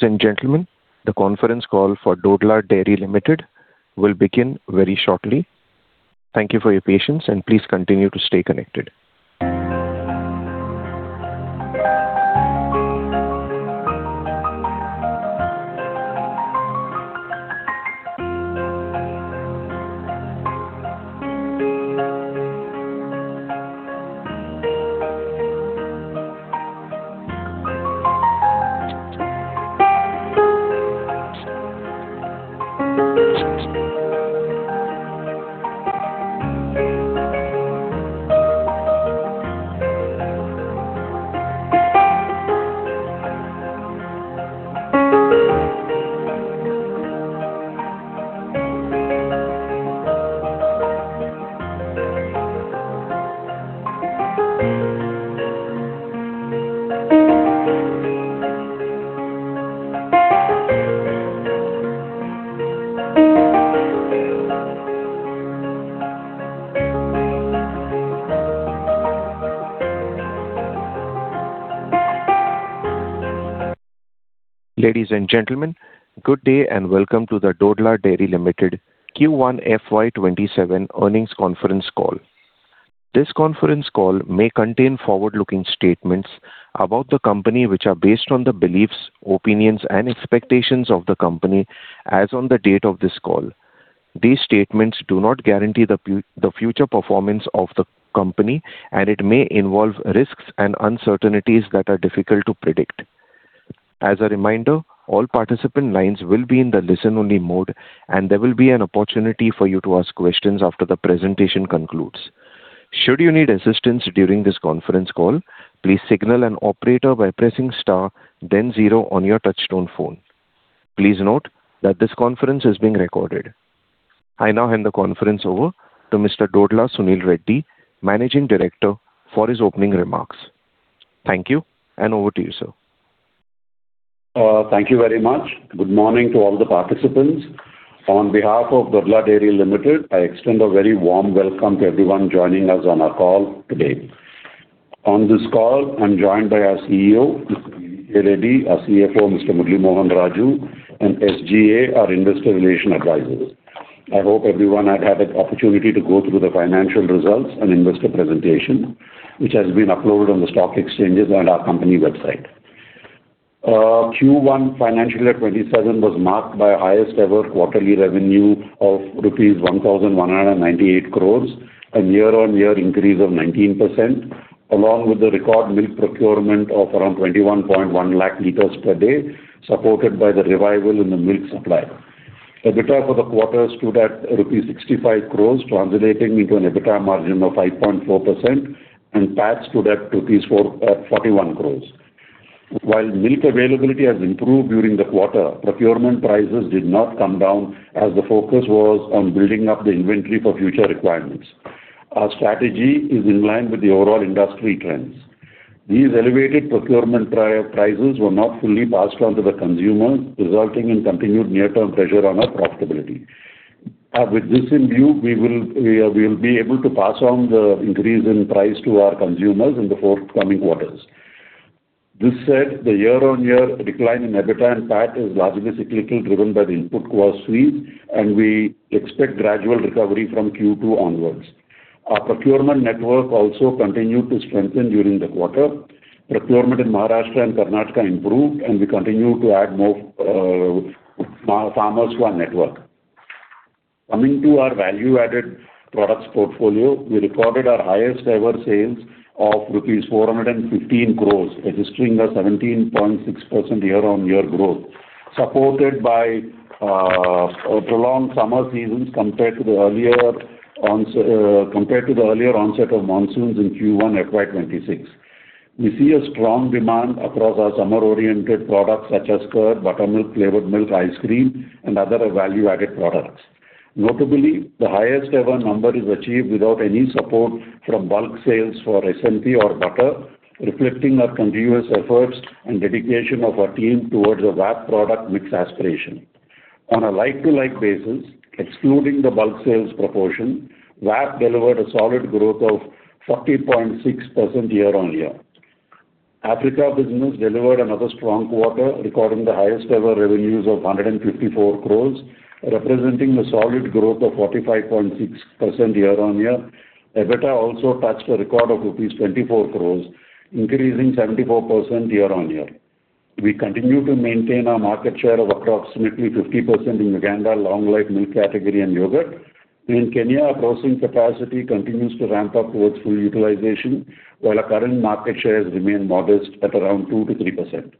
Ladies and gentlemen, the conference call for Dodla Dairy Limited will begin very shortly. Thank you for your patience, and please continue to stay connected. Ladies and gentlemen, good day and welcome to the Dodla Dairy Limited Q1 FY 2027 earnings conference call. This conference call may contain forward-looking statements about the company, which are based on the beliefs, opinions, and expectations of the company as on the date of this call. These statements do not guarantee the future performance of the company, and it may involve risks and uncertainties that are difficult to predict. As a reminder, all participant lines will be in the listen-only mode, and there will be an opportunity for you to ask questions after the presentation concludes. Should you need assistance during this conference call, please signal an operator by pressing star then zero on your touchtone phone. Please note that this conference is being recorded. I now hand the conference over to Mr. Dodla Sunil Reddy, Managing Director, for his opening remarks. Thank you, and over to you, sir. Thank you very much. Good morning to all the participants. On behalf of Dodla Dairy Limited, I extend a very warm welcome to everyone joining us on our call today. On this call, I am joined by our CEO, Mr. B.V.K. Reddy, our CFO, Mr. Murali Mohan Raju, and SGA, our Investor Relations advisors. I hope everyone had an opportunity to go through the financial results and investor presentation, which has been uploaded on the stock exchanges and our company website. Q1 FY 2027 was marked by highest ever quarterly revenue of rupees 1,198 crore, a year-on-year increase of 19%, along with the record milk procurement of around 21.1 lakh liters per day, supported by the revival in the milk supply. EBITDA for the quarter stood at rupees 65 crore, translating into an EBITDA margin of 5.4%, and PAT stood at rupees 41 crore. While milk availability has improved during the quarter, procurement prices did not come down as the focus was on building up the inventory for future requirements. Our strategy is in line with the overall industry trends. These elevated procurement prices were not fully passed on to the consumers, resulting in continued near-term pressure on our profitability. With this in view, we will be able to pass on the increase in price to our consumers in the forthcoming quarters. This said, the year-on-year decline in EBITDA and PAT is largely cyclical, driven by the input cost squeeze, and we expect gradual recovery from Q2 onwards. Our procurement network also continued to strengthen during the quarter. Procurement in Maharashtra and Karnataka improved, and we continue to add more farmers to our network. Coming to our value-added products portfolio, we recorded our highest-ever sales of rupees 415 crore, registering a 17.6% year-over-year growth, supported by prolonged summer seasons compared to the earlier onset of monsoons in Q1 FY 2026. We see a strong demand across our summer-oriented products such as Curd, buttermilk, flavored milk, ice cream, and other value-added products. Notably, the highest-ever number is achieved without any support from bulk sales for SMP or butter, reflecting our continuous efforts and dedication of our team towards the VAP product mix aspiration. On a like-to-like basis, excluding the bulk sales proportion, VAP delivered a solid growth of 30.6% year-over-year. Africa business delivered another strong quarter, recording the highest-ever revenues of 154 crore, representing a solid growth of 45.6% year-over-year. EBITDA also touched a record of rupees 24 crore, increasing 74% year-over-year. We continue to maintain our market share of approximately 50% in Uganda long-life milk category and yogurt. In Kenya, our processing capacity continues to ramp up towards full utilization, while our current market share has remained modest at around 2%-3%.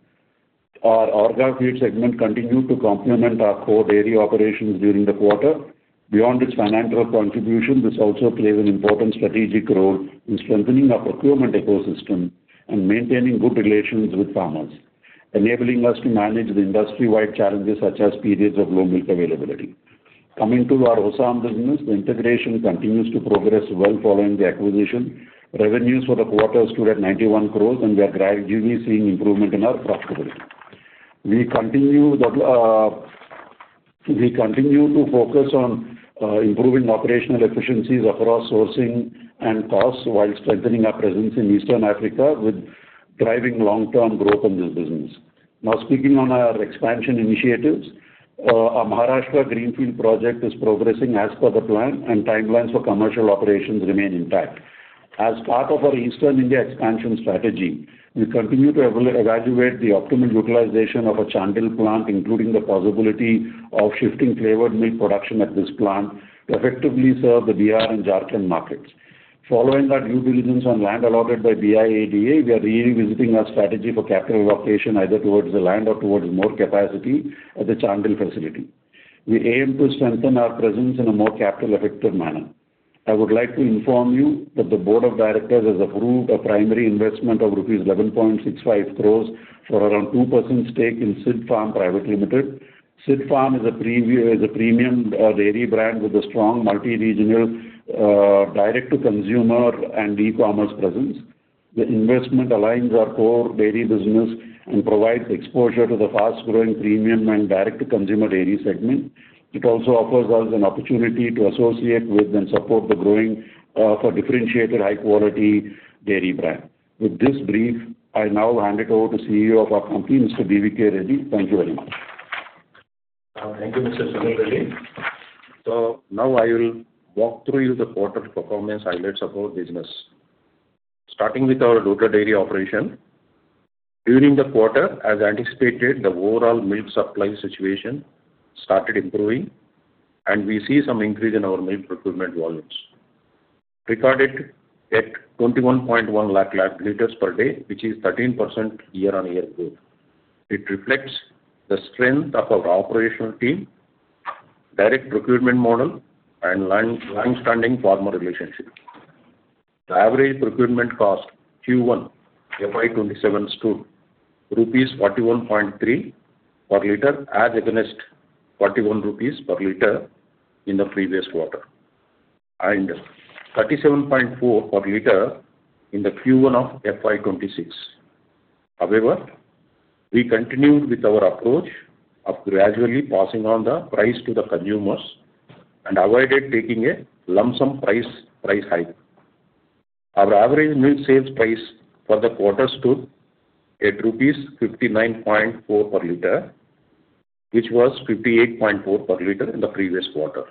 Our Orgafeed segment continued to complement our core dairy operations during the quarter. Beyond its financial contribution, this also plays an important strategic role in strengthening our procurement ecosystem and maintaining good relations with farmers, enabling us to manage the industry-wide challenges such as periods of low milk availability. Coming to our OSAM business, the integration continues to progress well following the acquisition. Revenues for the quarter stood at 91 crore, and we are gradually seeing improvement in our profitability. We continue to focus on improving operational efficiencies across sourcing and costs while strengthening our presence in Eastern Africa with driving long-term growth in this business. Speaking on our expansion initiatives, our Maharashtra greenfield project is progressing as per the plan and timelines for commercial operations remain intact. As part of our Eastern India expansion strategy, we continue to evaluate the optimal utilization of our Chandil plant, including the possibility of shifting flavored milk production at this plant to effectively serve the Bihar and Jharkhand markets. Following that new decisions on land allotted by BIADA, we are revisiting our strategy for capital allocation either towards the land or towards more capacity at the Chandil facility. We aim to strengthen our presence in a more capital effective manner. I would like to inform you that the Board of Directors has approved a primary investment of rupees 11.65 crore for around 2% stake in Sid's Farm Pvt Ltd. Sid's Farm is a premium dairy brand with a strong multi-regional direct to consumer and e-commerce presence. The investment aligns our core dairy business and provides exposure to the fast-growing premium and direct to consumer dairy segment. It also offers us an opportunity to associate with and support the growing, differentiated high-quality dairy brand. With this brief, I hand it over to CEO of our company, Mr. B.V.K. Reddy. Thank you very much. Thank you, Mr. Sunil Reddy. Now I will walk through the quarter performance highlights of our business. Starting with our Dodla Dairy operation. During the quarter, as anticipated, the overall milk supply situation started improving, and we see some increase in our milk procurement volumes. Recorded at 21.1 LLPD, which is 13% year-on-year growth. It reflects the strength of our operational team, direct procurement model, and long-standing farmer relationship. The average procurement cost Q1 FY 2027 stood rupees 41.3 per liter, as against 41 rupees per liter in the previous quarter, and 37.4 per liter in the Q1 FY 2026. However, we continued with our approach of gradually passing on the price to the consumers and avoided taking a lump sum price hike. Our average milk sales price for the quarter stood at rupees 59.4 per liter, which was 58.4 per liter in the previous quarter,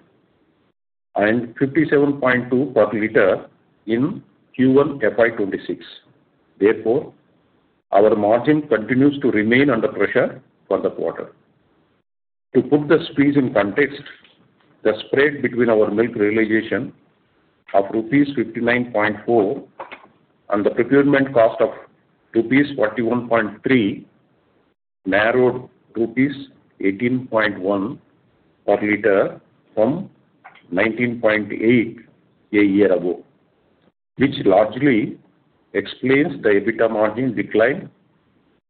and 57.2 per liter in Q1 FY 2026. Therefore, our margin continues to remain under pressure for the quarter. To put the squeeze in context, the spread between our milk realization of rupees 59.4 and the procurement cost of rupees 41.3 narrowed rupees 18.1 per liter from 19.8 a year ago, which largely explains the EBITDA margin decline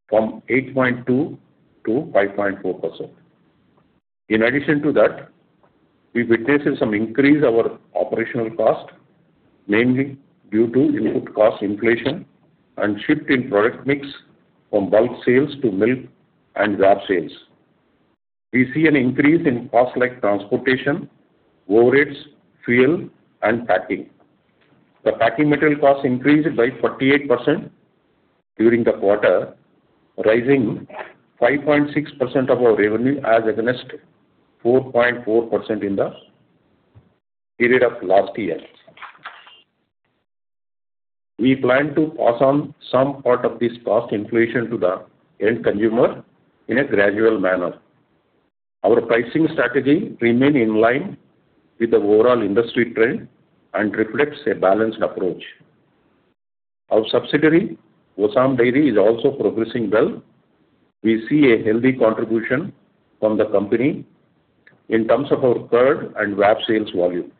from 8.2%-5.4%. In addition to that, we witnessed some increase our operational cost, mainly due to input cost inflation and shift in product mix from bulk sales to milk and VAP sales. We see an increase in costs like transportation, wage rates, fuel, and packing. The packing material cost increased by 48% during the quarter, rising 5.6% of our revenue as against 4.4% in the period of last year. We plan to pass on some part of this cost inflation to the end consumer in a gradual manner. Our pricing strategy remain in line with the overall industry trend and reflects a balanced approach. Our subsidiary, OSAM Dairy, is also progressing well. We see a healthy contribution from the company in terms of our curd and VAP sales volume.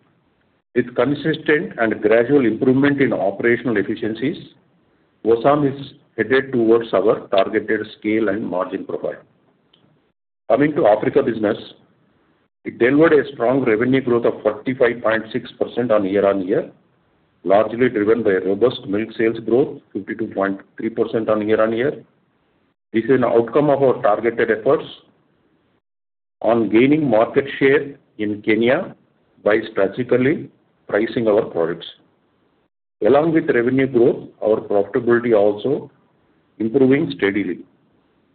With consistent and gradual improvement in operational efficiencies, OSAM is headed towards our targeted scale and margin profile. Coming to Africa business, it delivered a strong revenue growth of 45.6% on year-on-year, largely driven by robust milk sales growth, 52.3% on year-on-year. This is an outcome of our targeted efforts on gaining market share in Kenya by strategically pricing our products. Along with revenue growth, our profitability also improving steadily.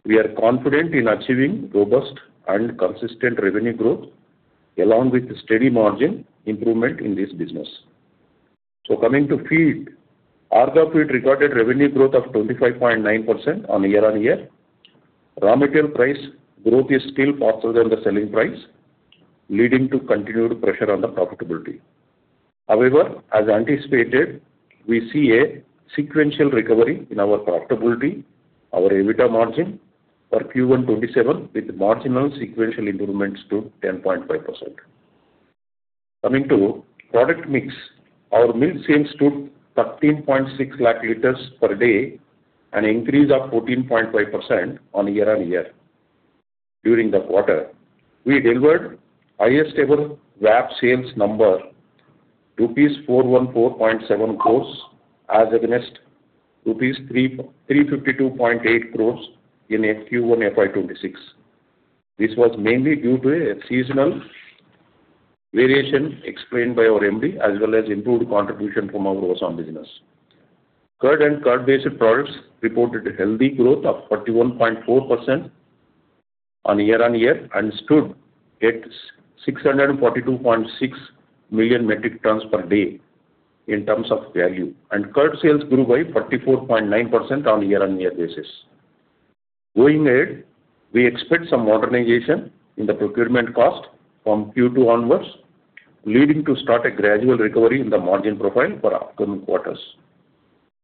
We are confident in achieving robust and consistent revenue growth along with steady margin improvement in this business. Coming to feed, Orgafeed recorded revenue growth of 25.9% on year-on-year. Raw material price growth is still faster than the selling price, leading to continued pressure on the profitability. However, as anticipated, we see a sequential recovery in our profitability, our EBITDA margin for Q1 FY 2027 with marginal sequential improvements to 10.5%. Coming to product mix, our milk sales stood 13.6 LLPD, an increase of 14.5% on year-on-year. During the quarter, we delivered highest ever VAP sales number rupees 414.7 crore as against rupees 352.8 crore in Q1 FY 2026. This was mainly due to a seasonal variation explained by our MD, as well as improved contribution from our OSAM business. Curd and curd-based products reported healthy growth of 41.4% year-on-year and stood at 642.6 million metric tons per day in terms of value. Curd sales grew by 44.9% year-on-year basis. Going ahead, we expect some moderation in the procurement cost from Q2 onwards, leading to start a gradual recovery in the margin profile for upcoming quarters.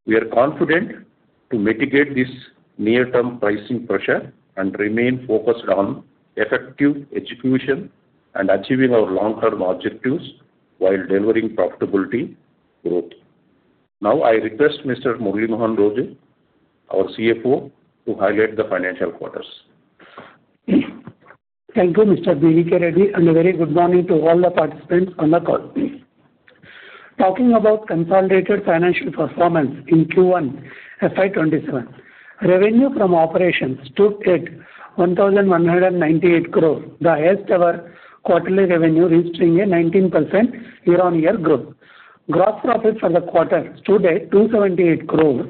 We are confident to mitigate this near-term pricing pressure and remain focused on effective execution and achieving our long-term objectives while delivering profitability growth. Now I request Mr. Murali Mohan Raju, our CFO, to highlight the financial quarters. Thank you, Mr. B.V.K. Reddy, a very good morning to all the participants on the call. Talking about consolidated financial performance in Q1 FY 2027. Revenue from operations stood at 1,198 crore, the highest ever quarterly revenue, registering a 19% year-on-year growth. Gross profit for the quarter stood at 278 crore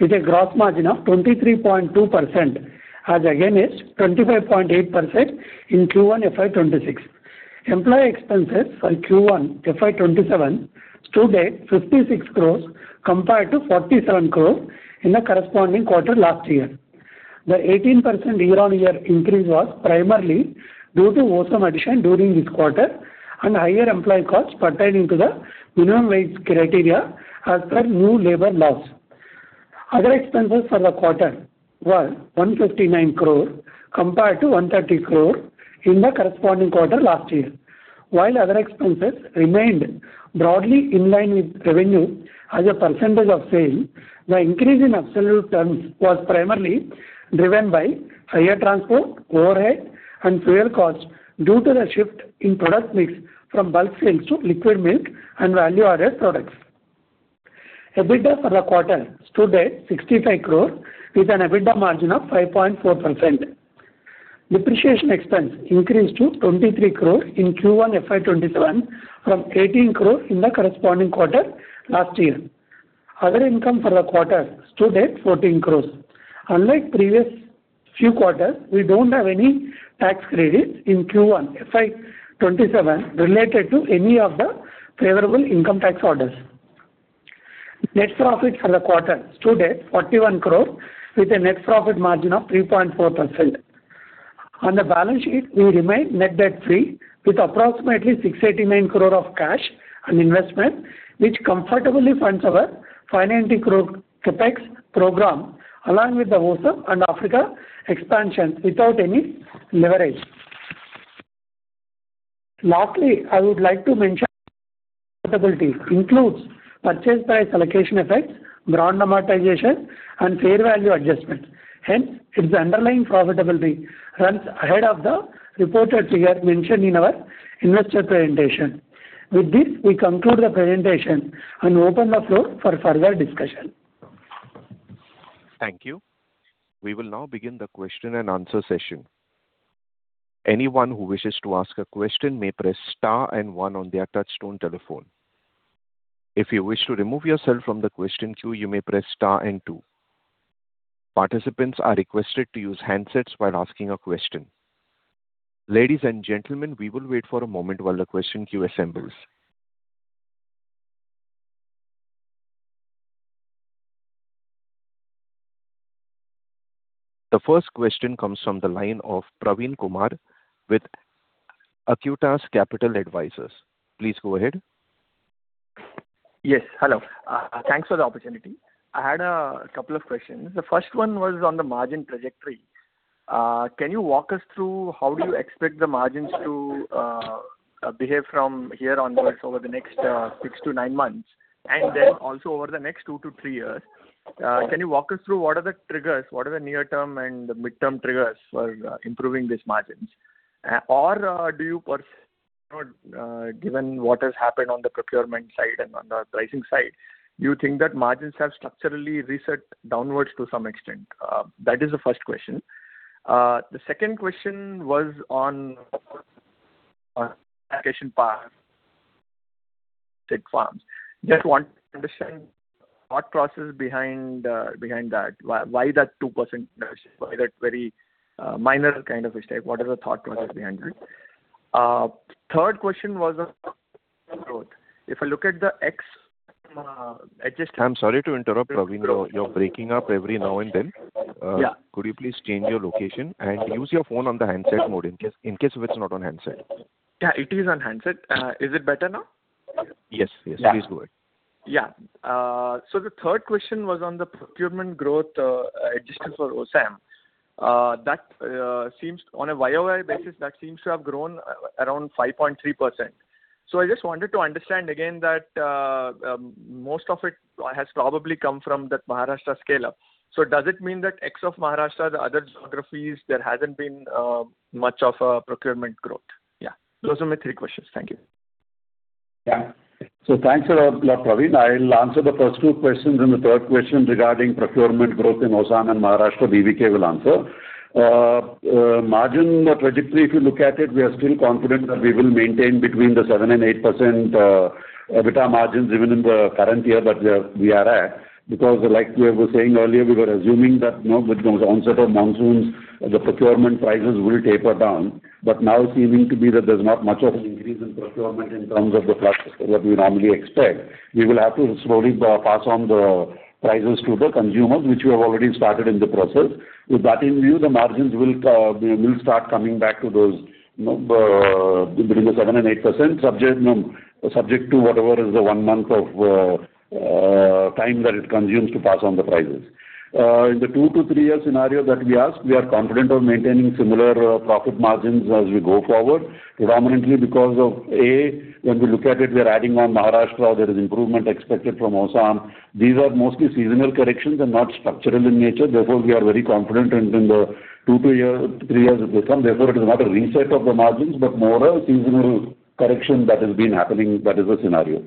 with a gross margin of 23.2%, as against 25.8% in Q1 FY 2026. Employee expenses for Q1 FY 2027 stood at 56 crore compared to 47 crore in the corresponding quarter last year. The 18% year-on-year increase was primarily due to OSAM addition during this quarter and higher employee costs pertaining to the minimum wage criteria as per new labor laws. Other expenses for the quarter were 159 crore compared to 130 crore in the corresponding quarter last year. While other expenses remained broadly in line with revenue as a percentage of sale, the increase in absolute terms was primarily driven by higher transport, overhead, and fuel costs due to the shift in product mix from bulk sales to liquid milk and value-added products. EBITDA for the quarter stood at 65 crore with an EBITDA margin of 5.4%. Depreciation expense increased to 23 crore in Q1 FY 2027 from 18 crore in the corresponding quarter last year. Other income for the quarter stood at 14 crore. Unlike previous few quarters, we do not have any tax credits in Q1 FY 2027 related to any of the favorable income tax orders. Net profit for the quarter stood at 41 crore with a net profit margin of 3.4%. On the balance sheet, we remain net debt-free with approximately 689 crore of cash and investment, which comfortably funds our 590 crore CapEx program along with the OSAM and Africa expansion without any leverage. Lastly, I would like to mention profitability includes purchase price allocation effects, goodwill amortization, and fair value adjustments. Hence, its underlying profitability runs ahead of the reported figure mentioned in our investor presentation. With this, we conclude the presentation and open the floor for further discussion. Thank you. We will now begin the question-and-answer session. Anyone who wishes to ask a question may press star and one on their touchtone telephone. If you wish to remove yourself from the question queue, you may press star and two. Participants are requested to use handsets while asking a question. Ladies and gentlemen, we will wait for a moment while the question queue assembles. The first question comes from the line of Praveen Kumar with Acuitas Capital Advisors. Please go ahead. Yes. Hello. Thanks for the opportunity. I had a couple of questions. The first one was on the margin trajectory. Can you walk us through how do you expect the margins to behave from here onwards over the next six to nine months, and also over the next two to three years? Can you walk us through what are the triggers? What are the near-term and mid-term triggers for improving these margins? Given what has happened on the procurement side and on the pricing side, do you think that margins have structurally reset downwards to some extent? That is the first question. The second question was on farms. Just want to understand thought process behind that. Why that 2%? Why that very minor kind of a step? What are the thought process behind that? Third question was on growth. If I look at the ex- I'm sorry to interrupt, Praveen. You're breaking up every now and then. Yeah. Could you please change your location and use your phone on the handset mode in case if it's not on handset? It is on handset. Is it better now? Yes. Please go ahead. The third question was on the procurement growth adjusted for OSAM. On a YoY basis, that seems to have grown around 5.3%. I just wanted to understand again that most of it has probably come from that Maharashtra scale-up. Does it mean that ex of Maharashtra, the other geographies, there hasn't been much of a procurement growth? Those are my three questions. Thank you. Thanks a lot, Praveen. I'll answer the first two questions, and the third question regarding procurement growth in OSAM and Maharashtra, B.V.K. will answer. Margin trajectory, if you look at it, we are still confident that we will maintain between the 7% and 8% EBITDA margins even in the current year that we are at. Like we were saying earlier, we were assuming that with those onset of monsoons, the procurement prices will taper down. Now it's seeming to be that there's not much of an increase in procurement in terms of the flux what we normally expect. We will have to slowly pass on the prices to the consumers, which we have already started in the process. With that in view, the margins will start coming back to those between the 7% and 8%, subject to whatever is the one month of time that it consumes to pass on the prices. In the two to three-year scenario that we asked, we are confident of maintaining similar profit margins as we go forward, predominantly because of, A, when we look at it, we are adding on Maharashtra, there is improvement expected from OSAM. These are mostly seasonal corrections and not structural in nature. We are very confident in the two to three years it will come. It is not a reset of the margins, but more a seasonal correction that has been happening, that is the scenario.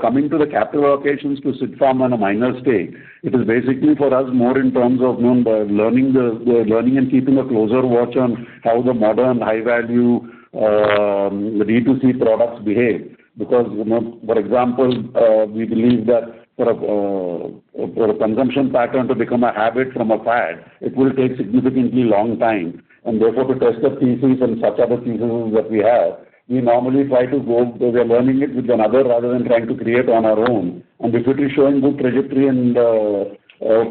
Coming to the capital allocations to Sid's Farm on a minor stake, it is basically for us more in terms of learning and keeping a closer watch on how the modern high-value D2C products behave. For example, we believe that for a consumption pattern to become a habit from a fad, it will take significantly long time. To test the thesis and such other theses that we have, we are learning it with another rather than trying to create on our own. If it is showing good trajectory and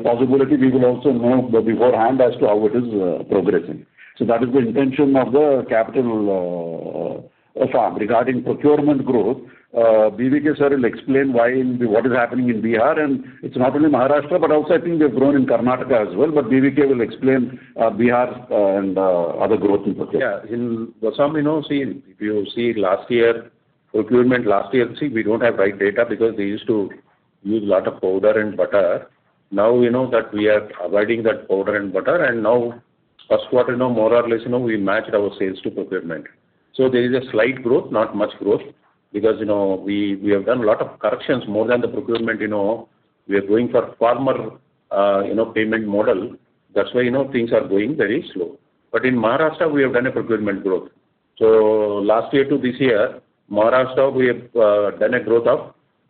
possibility, we will also know beforehand as to how it is progressing. That is the intention of the capital farm. Regarding procurement growth, B.V.K. sir will explain what is happening in Bihar, it is not only Maharashtra, but also I think we have grown in Karnataka as well. B.V.K. will explain Bihar's and other growth in procurement. In OSAM, if you see procurement last year, see, we don't have right data because they used to use lot of powder and butter. We know that we are avoiding that powder and butter, and now first quarter, more or less, we matched our sales to procurement. There is a slight growth, not much growth, because we have done a lot of corrections more than the procurement. We are going for farmer payment model. That's why things are going very slow. In Maharashtra, we have done a procurement growth. Last year to this year, Maharashtra,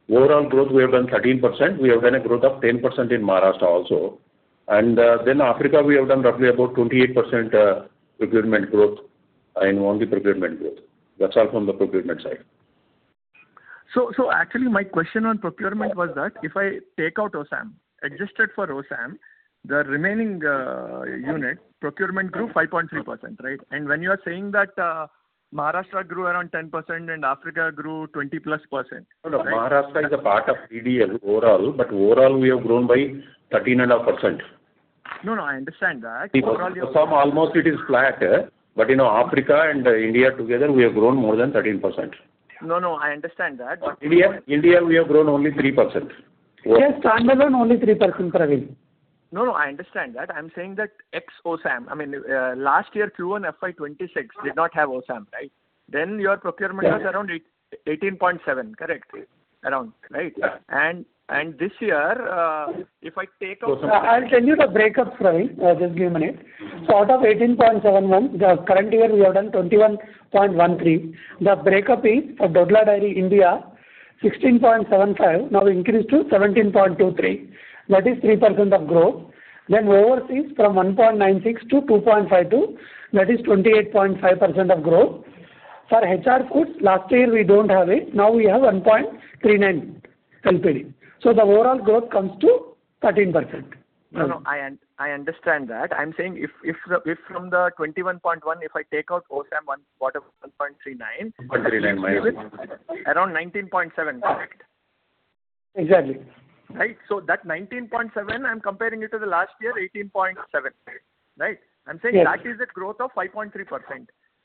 overall growth, we have done 13%. We have done a growth of 10% in Maharashtra also. Then Africa, we have done roughly about 28% procurement growth in only procurement growth. That's all from the procurement side. Actually, my question on procurement was that if I take out OSAM, adjusted for OSAM, the remaining unit procurement grew 5.3%, right? When you are saying that Maharashtra grew around 10% and Africa grew 20+%, right? No, Maharashtra is a part of India overall, but overall, we have grown by 13.5%. No, no, I understand that. Overall. OSAM almost it is flat. Africa and India together, we have grown more than 13%. No, no, I understand that. India, we have grown only 3%. Yes, standalone only 3%, Praveen. No, no, I understand that. I'm saying that ex OSAM, last year Q1 FY 2026 did not have OSAM, right? Your procurement was around 18.7, correct? Around, right? Yeah. This year, if I take out I'll send you the breakups, Praveen. Just give me a minute. Out of 18.71%, the current year we have done 21.13%. The breakup is for Dodla Dairy India, 16.75%, now increased to 17.23%. That is 3% of growth. Overseas from 1.96%-2.52%, that is 28.5% of growth. For HR Foods, last year we don't have it. Now we have 1.39 LLPD. The overall growth comes to 13%. No, I understand that. I'm saying if from the 21.1%, if I take out OSAM, what about 1.39 LLPD? 1.39 LLPD. Around 19.7%, correct? Exactly. Right. That 19.7%, I'm comparing it to the last year, 18.7%. Right? Yes. I'm saying that is a growth of 5.3%,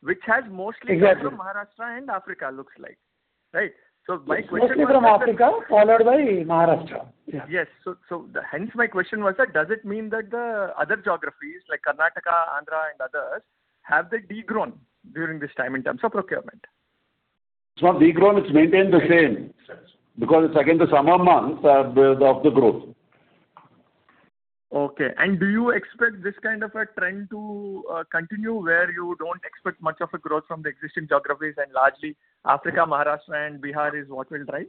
which has mostly- Exactly. Come from Maharashtra and Africa, looks like. Right? My question was- Mostly from Africa, followed by Maharashtra. Yeah. Hence my question was that does it mean that the other geographies like Karnataka, Andhra, and others, have they de-grown during this time in terms of procurement? It's not de-grown, it's maintained the same. It's again the summer months of the growth. Okay. Do you expect this kind of a trend to continue where you don't expect much of a growth from the existing geographies, and largely Africa, Maharashtra, and Bihar is what will drive?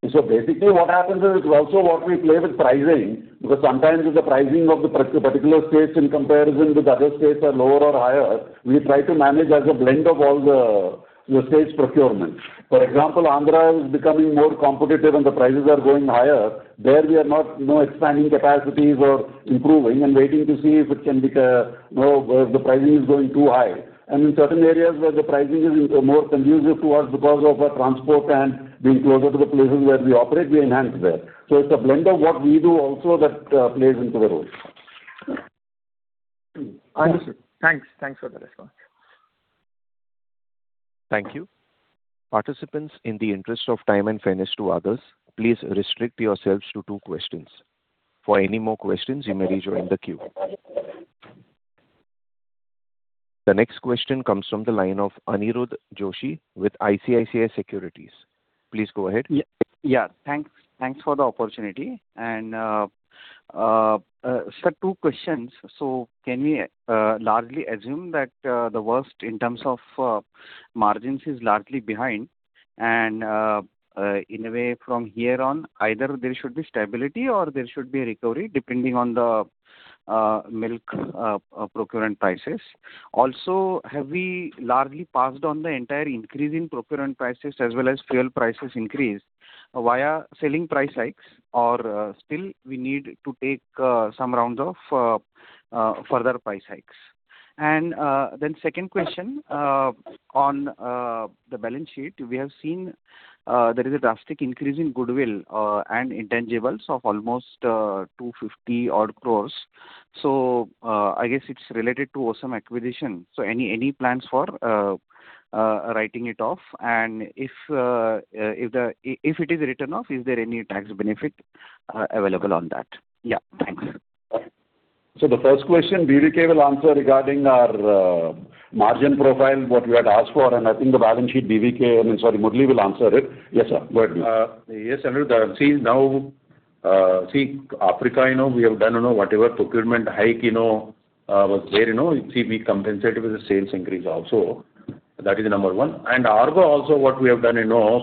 Basically what happens is, it's also what we play with pricing, because sometimes if the pricing of the particular states in comparison with other states are lower or higher, we try to manage as a blend of all the state's procurement. For example, Andhra is becoming more competitive and the prices are going higher. There, we are not expanding capacities or improving and waiting to see if the pricing is going too high. In certain areas where the pricing is more conducive to us because of our transport and being closer to the places where we operate, we enhance there. It's a blend of what we do also that plays into the role. Understood. Thanks for the response. Thank you. Participants, in the interest of time and fairness to others, please restrict yourselves to two questions. For any more questions, you may rejoin the queue. The next question comes from the line of Aniruddha Joshi with ICICI Securities. Please go ahead. Thanks for the opportunity. Sir, two questions. Can we largely assume that the worst in terms of margins is largely behind, and in a way from here on, either there should be stability or there should be a recovery depending on the milk procurement prices. Also, have we largely passed on the entire increase in procurement prices as well as fuel prices increase via selling price hikes, or still we need to take some rounds of further price hikes? Second question, on the balance sheet, we have seen there is a drastic increase in goodwill and intangibles of almost 250-odd crore. I guess it's related to OSAM acquisition. Any plans for writing it off? And if it is written off, is there any tax benefit available on that? Thanks. The first question B.V.K. will answer regarding our margin profile, what we had asked for, and I think the balance sheet, Murali will answer it. Yes, sir. Go ahead. Yes, Aniruddha. See now, Africa, we have done whatever procurement hike was there. See, we compensate it with the sales increase also. That is number one. Orgafeed also what we have done,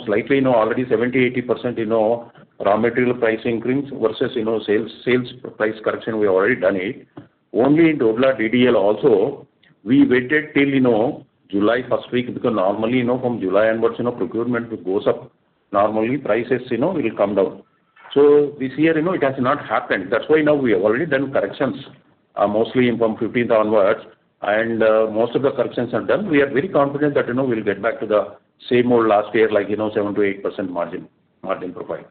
slightly already 70%-80% raw material price increase versus sales price correction, we have already done it. Only in Dodla Dairy also, we waited till July 1st week, because normally from July onwards procurement goes up. Normally prices will come down. This year it has not happened. That's why now we have already done corrections, mostly from 15th onwards, and most of the corrections are done. We are very confident that we'll get back to the same old last year, like 7%-8% margin profile.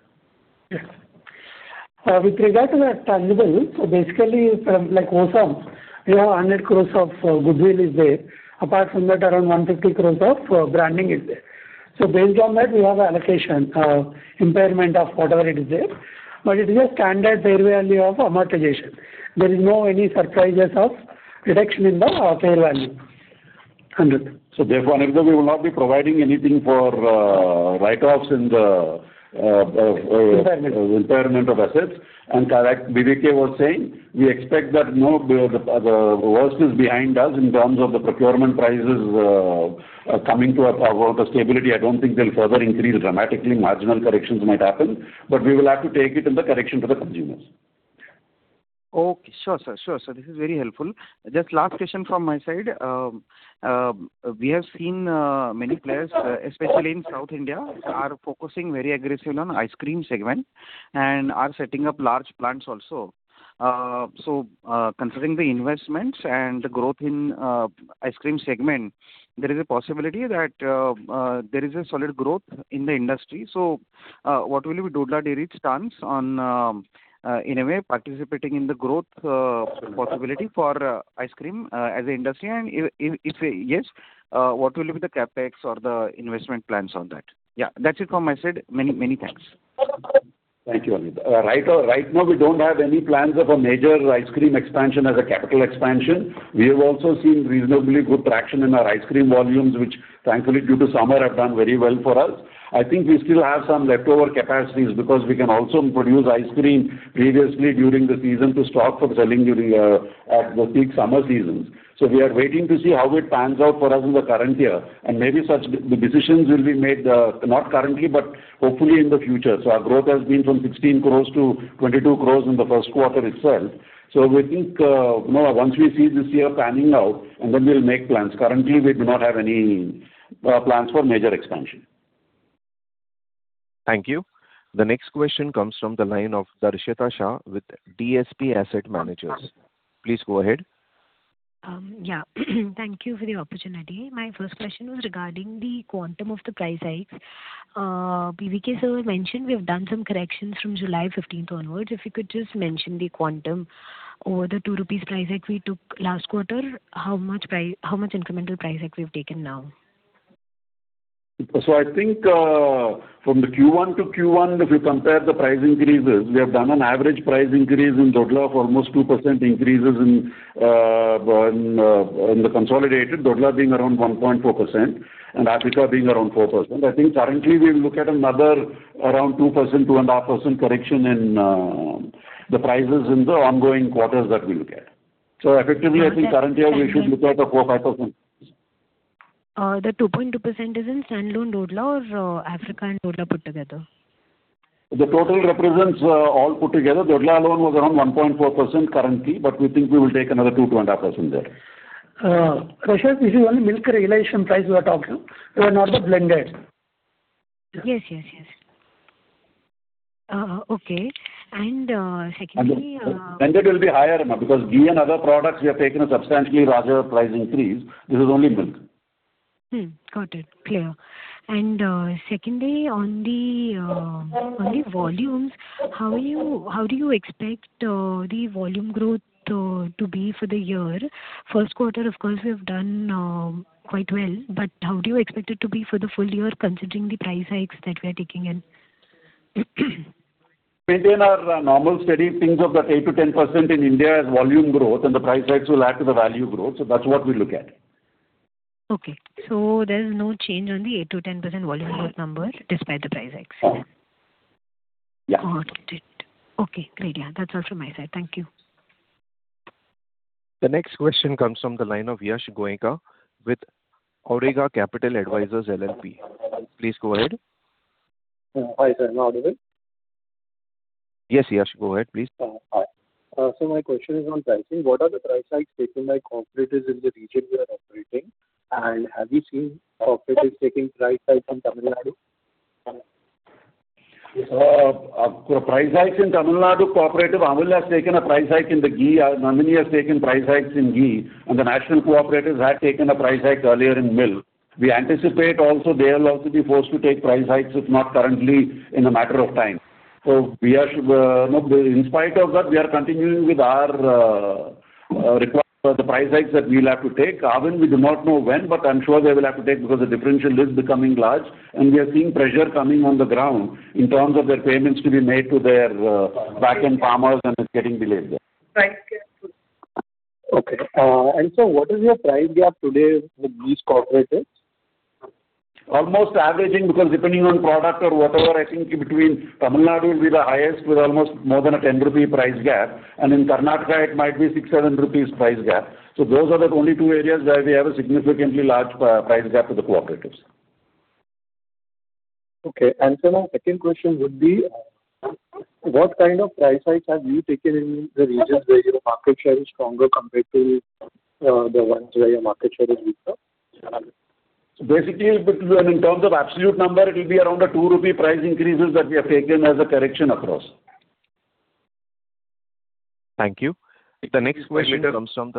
Yeah. With regard to the tangible, basically from like OSAM, we have 100 crore of goodwill is there. Apart from that, around 150 crore of branding is there. Based on that, we have an allocation, impairment of whatever it is there. It is a standard fair value of amortization. There is no any surprises of reduction in the fair value. Understood. Therefore, Aniruddha, we will not be providing anything for write-offs. Impairment. Impairment of assets. Correct, B.V.K. was saying, we expect that the worst is behind us in terms of the procurement prices coming to a stability. I do not think they will further increase dramatically. Marginal corrections might happen, we will have to take it in the correction to the consumers. Okay. Sure, sir. This is very helpful. Just last question from my side. We have seen many players, especially in South India, are focusing very aggressively on ice cream segment and are setting up large plants also. Considering the investments and the growth in ice cream segment, there is a possibility that there is a solid growth in the industry. What will be Dodla Dairy's stance on, in a way, participating in the growth possibility for ice cream as an industry? If yes, what will be the CapEx or the investment plans on that? Yeah, that's it from my side. Many thanks. Thank you, Aniruddha. Right now we do not have any plans of a major ice cream expansion as a capital expansion. We have also seen reasonably good traction in our ice cream volumes, which thankfully due to summer have done very well for us. I think we still have some leftover capacities because we can also produce ice cream previously during the season to stock for selling during the peak summer seasons. We are waiting to see how it pans out for us in the current year, maybe the decisions will be made, not currently, but hopefully in the future. Our growth has been from 16 crore-22 crore in the first quarter itself. We think, once we see this year panning out, then we will make plans. Currently, we do not have any plans for major expansion. Thank you. The next question comes from the line of Darshita Shah with DSP Asset Managers. Please go ahead. Yeah. Thank you for the opportunity. My first question was regarding the quantum of the price hikes. B.V.K. sir mentioned we have done some corrections from July 15th onwards. If you could just mention the quantum over the rupees price hike we took last quarter, how much incremental price hike we've taken now? From the Q1-Q1, if you compare the price increases, we have done an average price increase in Dodla of almost 2% increases in the consolidated, Dodla being around 1.4%, and Africa being around 4%. Currently we look at another around 2%, 2.5% correction in the prices in the ongoing quarters that we look at. Effectively, currently we should look at a 4%, 5%. The 2.0%-2.5% is in standalone Dodla or Africa and Dodla put together? The total represents all put together. Dodla alone was around 1.4% currently, but we think we will take another 2%-2.5% there. Darshita, this is only milk realization price we are talking, not the blended. Yes. Okay. Secondly. Blended will be higher because ghee and other products, we have taken a substantially larger price increase. This is only milk. Got it. Clear. Secondly, on the volumes, how do you expect the volume growth to be for the year? First quarter, of course, we have done quite well, but how do you expect it to be for the full year considering the price hikes that we are taking in? Maintain our normal steady things of that 8%-10% in India as volume growth, the price hikes will add to the value growth. That's what we look at. Okay. There's no change on the 8%-10% volume growth number despite the price hike, sir? Yeah. Got it. Okay, great. That's all from my side. Thank you. The next question comes from the line of Yash Goenka with Awriga Capital Advisors LLP. Please go ahead. Hi, sir. Am I audible? Yes, Yash, go ahead, please. Hi. Sir, my question is on pricing. What are the price hikes taken by cooperatives in the region we are operating in? Have you seen cooperatives taking price hikes from Tamil Nadu? Price hikes in Tamil Nadu, cooperative Amul has taken a price hike in the ghee. Nandini has taken price hikes in ghee, and the national cooperatives had taken a price hike earlier in milk. We anticipate also they will also be forced to take price hikes, if not currently, in a matter of time. In spite of that, we are continuing with the price hikes that we will have to take. Even we do not know when, but I'm sure they will have to take because the differential is becoming large, and we are seeing pressure coming on the ground in terms of their payments to be made to their backend farmers and it's getting delayed there. Okay. Sir, what is your price gap today with these cooperatives? Almost averaging, because depending on product or whatever, I think between Tamil Nadu will be the highest with almost more than a 10 rupee price gap, and in Karnataka it might be 6 rupees, 7 rupees price gap. Those are the only two areas where we have a significantly large price gap to the cooperatives. Okay. Sir, my second question would be, what kind of price hikes have you taken in the regions where your market share is stronger compared to the ones where your market share is weaker? In terms of absolute number, it will be around an 2 rupee price increases that we have taken as a correction across. Thank you. The next question comes from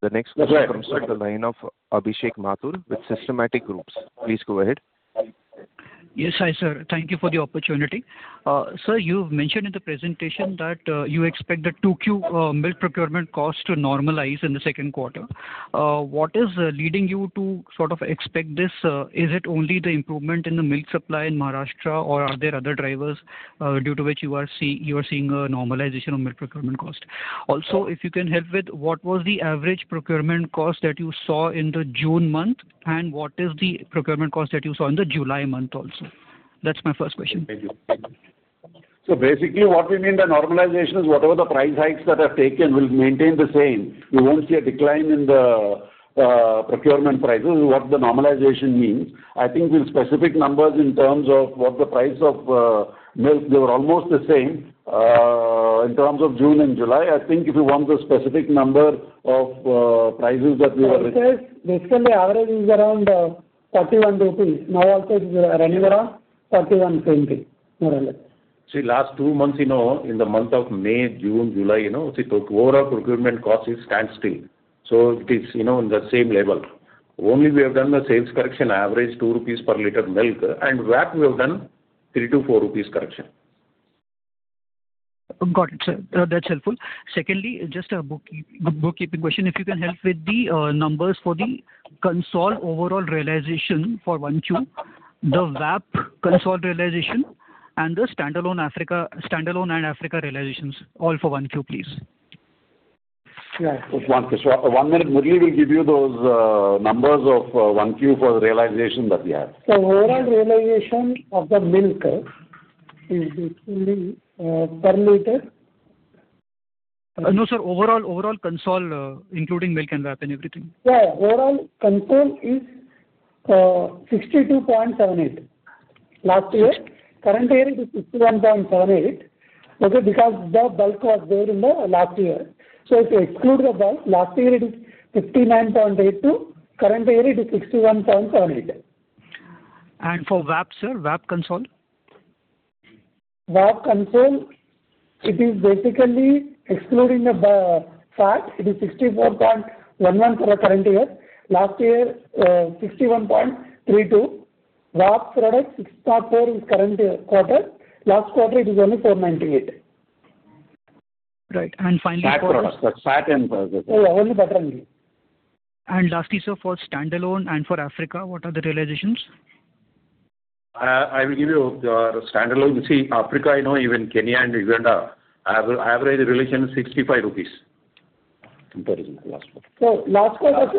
the line of Abhishek Mathur with Systematix Groups. Please go ahead. Yes, hi, sir. Thank you for the opportunity. Sir, you've mentioned in the presentation that you expect the 2Q milk procurement cost to normalize in the second quarter. What is leading you to sort of expect this? Is it only the improvement in the milk supply in Maharashtra, or are there other drivers due to which you are seeing a normalization of milk procurement cost? Also, if you can help with what was the average procurement cost that you saw in the June month, and what is the procurement cost that you saw in the July month also? That's my first question. Thank you. Basically, what we mean by normalization is whatever the price hikes that are taken will maintain the same. You won't see a decline in the procurement prices, is what the normalization means. I think with specific numbers in terms of what the price of milk, they were almost the same, in terms of June and July. I think if you want the specific number of prices that we were- Price, basically average is around 31 rupees. Now also it is running around 31.20, more or less. See, last two months, in the month of May, June, July, overall procurement cost is standstill. It is in the same level. Only we have done the sales correction, average 2 rupees per liter milk, VAP we have done 3-4 rupees correction. Got it, sir. That's helpful. Secondly, just a bookkeeping question. If you can help with the numbers for the consol overall realization for 1Q, the VAP consol realization, and the standalone and Africa realizations, all for 1Q, please. One minute, Murali will give you those numbers of 1Q for the realization that we have. Sir, overall realization of the milk is basically per liter. No, sir, overall consol including milk and VAP and everything. Overall consol is 62.78 last year. Current year it is 61.78, because the bulk was there in the last year. If you exclude the bulk, last year it is 59.82, current year it is 61.78. For VAP, sir, VAP consol? VAP consol, it is basically excluding the fat. It is 64.11% for the current year. Last year, 61.32%. VAP products, 64.4% is current quarter. Last quarter it is only 49.8%. Right. finally for- Fat products. Fat and- Yeah, only butter and ghee. Lastly, sir, for standalone and for Africa, what are the realizations? I will give you the standalone. You see, Africa, even Kenya and Uganda, average realization is INR 65. Sir, last quarter.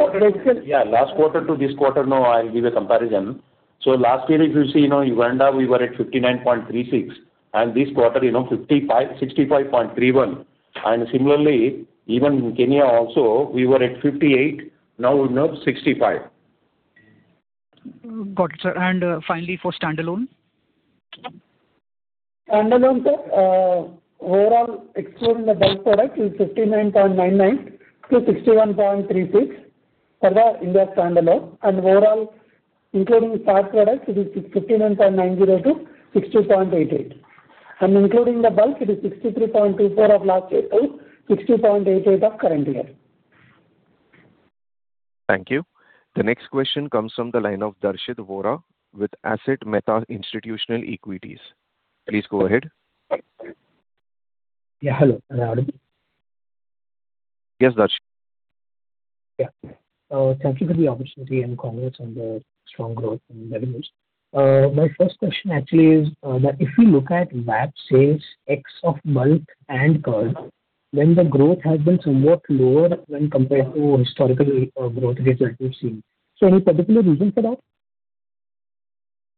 Yeah, last quarter to this quarter, now I'll give a comparison. Last year, if you see, Uganda, we were at 59.36, and this quarter, 65.31. Similarly, even Kenya also, we were at 58, now we're now 65. Got it, sir. Finally for standalone? Standalone, sir, overall excluding the bulk product is 59.99%-61.36% for the India standalone. Overall, including fat products, it is 59.90%-62.88%. Including the bulk, it is 63.24% of last year to 60.88% of current year. Thank you. The next question comes from the line of Darshit Vora with Asit Mehta Institutional Equities. Please go ahead. Yeah, hello. Am I audible? Yes, Darshit. Thank you for the opportunity and congrats on the strong growth and revenues. My first question actually is that if you look at VAP sales ex of milk and curd, then the growth has been somewhat lower when compared to historical growth rates that we've seen. Any particular reason for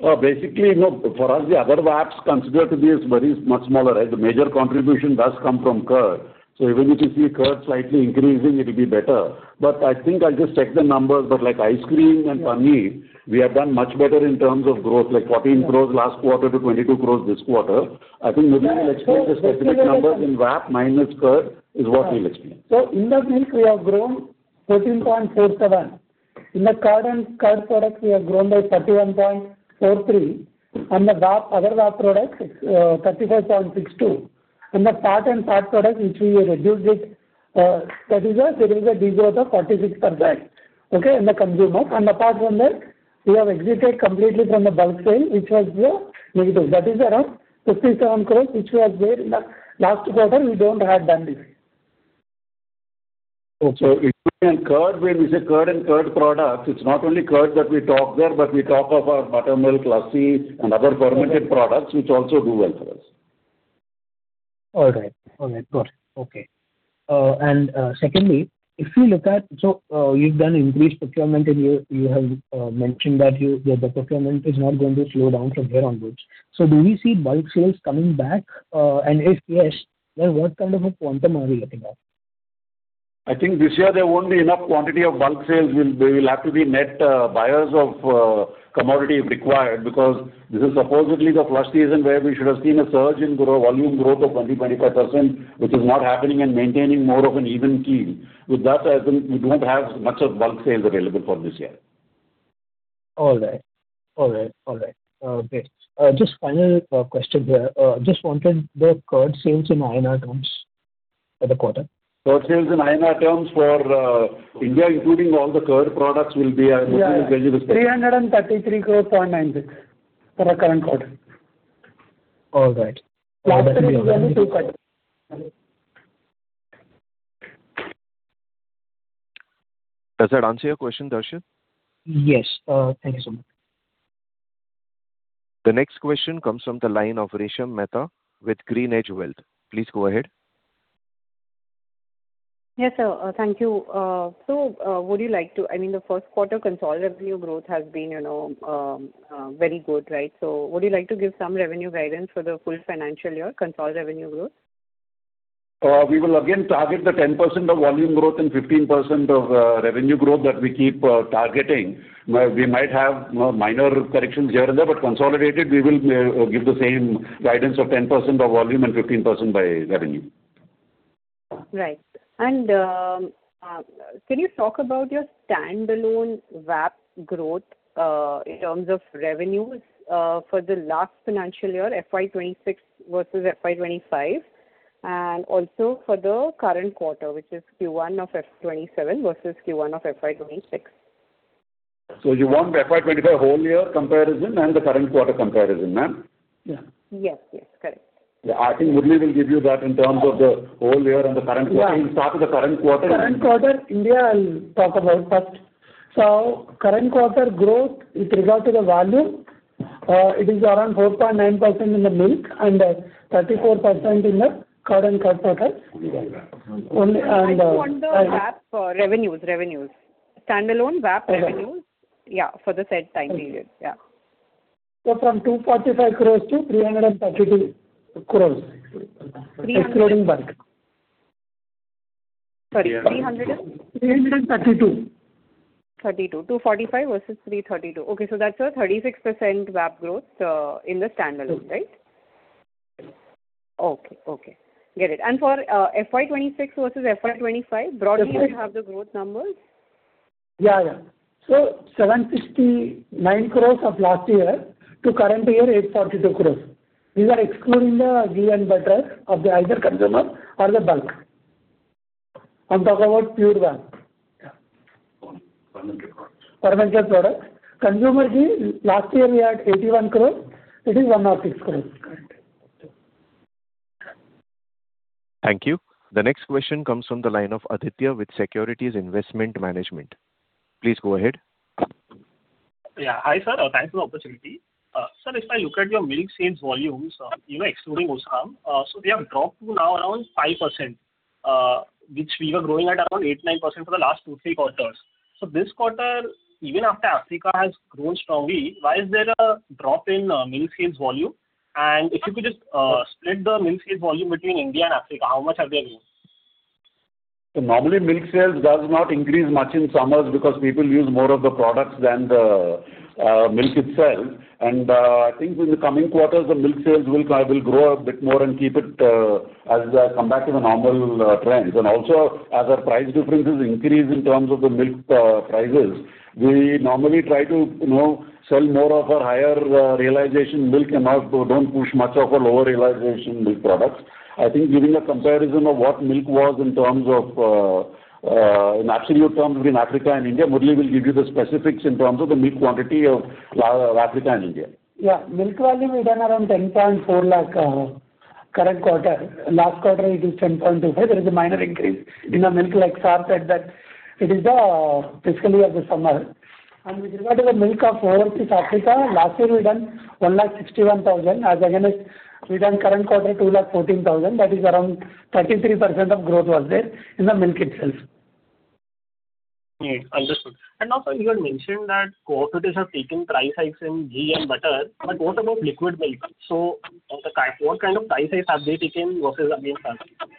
that? Basically, for us, the other VAPs considered to be very much smaller. The major contribution does come from curd. Even if you see curd slightly increasing, it'll be better. I think I'll just check the numbers, but like ice cream and Paneer, we have done much better in terms of growth, like 14 crore last quarter to 22 crore this quarter. I think Murali will explain the specific numbers in VAP minus curd, is what he'll explain. In the milk, we have grown 13.47%. In the curd and curd products, we have grown by 31.43%. The other VAP products, 34.62%. The fat and fat products, which we have reduced it, that is a de-growth of 46% in the consumer. Apart from that, we have exited completely from the bulk sale, which was negative. That is around 57 crore, which was there in the last quarter, we don't have done this. When we say curd and curd products, it's not only curd that we talk there, but we talk of our buttermilk, lassi, and other fermented products, which also do well for us. All right. Got it. Okay. Secondly, you've done increased procurement and you have mentioned that the procurement is not going to slow down from here onwards. Do we see bulk sales coming back? If yes, then what kind of a quantum are we looking at? I think this year there won't be enough quantity of bulk sales. We will have to be net buyers of commodity if required because this is supposedly the flush season where we should have seen a surge in volume growth of 20%-25%, which is not happening and maintaining more of an even keel. With that, I think we don't have much of bulk sales available for this year. All right. Great. Just final question there. Just wanted the curd sales in INR terms for the quarter? Curd sales in INR terms for India, including all the curd products will be, and Murali will give you the specifics. Yeah. 333.9 crore for the current quarter. All right. Does that answer your question, Darshit? Yes. Thank you so much. The next question comes from the line of Resha Mehta with GreenEdge Wealth. Please go ahead. Yes, sir. Thank you. The first quarter consolidated revenue growth has been very good, right? Would you like to give some revenue guidance for the full financial year consolidated revenue growth? We will again target the 10% of volume growth and 15% of revenue growth that we keep targeting. We might have minor corrections here and there, but consolidated, we will give the same guidance of 10% of volume and 15% by revenue. Right. Can you talk about your standalone VAP growth, in terms of revenues for the last financial year, FY 2026 versus FY 2025, and also for the current quarter, which is Q1 of FY 2027 versus Q1 of FY 2026? You want the FY 2025 whole year comparison and the current quarter comparison, ma'am? Yeah. Yes. Correct. I think Murali will give you that in terms of the whole year and the current quarter. He'll start with the current quarter. Current quarter India, I'll talk about first. Current quarter growth with regard to the value, it is around 4.9% in the milk and 34% in the curd and curd products. I want the VAP revenues. Standalone VAP revenues. Yeah, for the said time period. Yeah. From 245 crore-332 crore. Excluding bulk. Sorry, 300 and? 332. 332. 245 vs 332. Okay, so that's a 36% VAP growth in the standalone, right? Yes. Okay. Get it. For FY 2026 vs FY 2025, broadly you have the growth numbers? Yeah. 769 crore of last year to current year 842 crore. These are excluding the ghee and butter of either consumer or the bulk. I'm talking about pure VAP. Yeah. Fermented products. Fermented products. Consumer ghee, last year we had 81 crore. It is 106 crore currently. Thank you. The next question comes from the line of [Aditya] with Securities Investment Management. Please go ahead. Hi, sir. Thanks for the opportunity. Sir, if I look at your milk sales volumes, even excluding OSAM, they have dropped to now around 5%, which we were growing at around 8%, 9% for the last two, three quarters. This quarter, even after Africa has grown strongly, why is there a drop in milk sales volume? If you could just split the milk sales volume between India and Africa, how much have they grown? Normally, milk sales does not increase much in summers because people use more of the products than the milk itself. I think in the coming quarters, the milk sales will grow a bit more and come back to the normal trends. Also, as our price differences increase in terms of the milk prices, we normally try to sell more of our higher realization milk and don't push much of our lower realization milk products. I think giving a comparison of what milk was in absolute terms between Africa and India, Murali will give you the specifics in terms of the milk quantity of Africa and India. Yeah. Milk volume, we've done around 10.4 lakh current quarter. Last quarter, it is 10.25. There is a minor increase in the milk sorted that it is the fiscal year of the summer. With regard to the milk of overseas Africa, last year we've done 161,000. As against we done current quarter 214,000. That is around 33% of growth was there in the milk itself. Great. Understood. Also you had mentioned that cooperatives have taken price hikes in ghee and butter, what about liquid milk? What kind of price hikes have they taken versus against last year?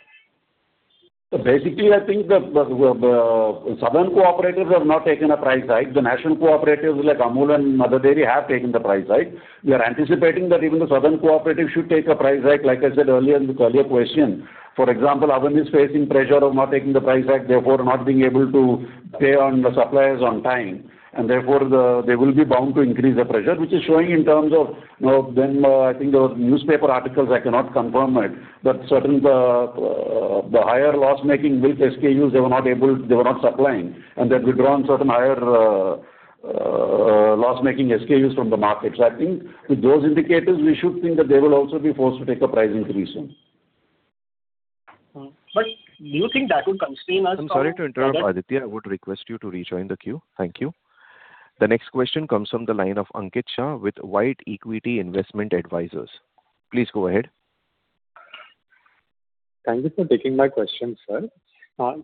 Basically, I think the southern cooperatives have not taken a price hike. The national cooperatives like Amul and Mother Dairy have taken the price hike. We are anticipating that even the southern cooperatives should take a price hike, like I said earlier in the earlier question. For example, Amul is facing pressure of not taking the price hike, therefore not being able to pay the suppliers on time, therefore they will be bound to increase the pressure, which is showing in terms of, I think there were newspaper articles, I cannot confirm it, that certain higher loss-making milk SKUs they were not supplying and they've withdrawn certain higher loss-making SKUs from the markets. I think with those indicators, we should think that they will also be forced to take a price increase soon. Do you think that would constrain us? I'm sorry to interrupt, Aditya. I would request you to rejoin the queue. Thank you. The next question comes from the line of Ankit Shah with White Equity Investment Advisors. Please go ahead. Thank you for taking my question, sir.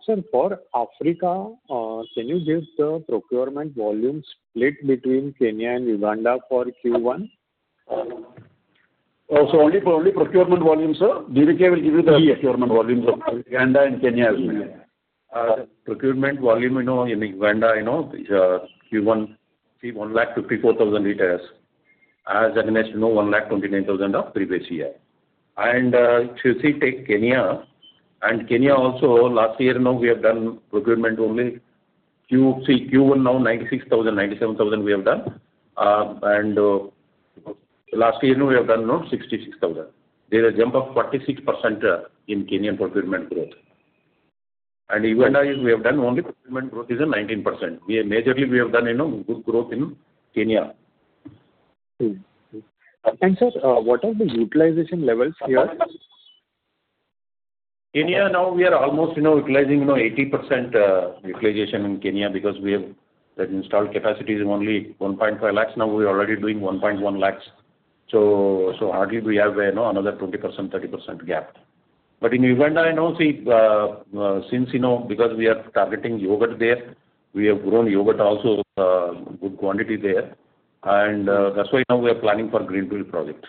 Sir, for Africa, can you give the procurement volume split between Kenya and Uganda for Q1? Only procurement volume, sir. B.V.K. will give you. Yes. Procurement volumes of Uganda and Kenya as well. Procurement volume in Uganda, Q1, 154,000 LPD. As against 129,000 LPD of previous year. If you take Kenya, and Kenya also, last year we have done procurement only, Q1 now 96,000 LPD, 97,000 LPD we have done. Last year, we have done 66,000 LPD. There's a jump of 46% in Kenyan procurement growth. Uganda we have done only procurement growth is in 19%. Majorly we have done good growth in Kenya. Sir, what are the utilization levels here? Kenya, now we are almost utilizing 80% utilization in Kenya because we have that installed capacity is only 1.5 lakh. Now we're already doing 1.1 lakh. Hardly we have another 20%-30% gap. In Uganda, because we are targeting yogurt there, we have grown yogurt also good quantity there, and that's why now we are planning for greenfield project.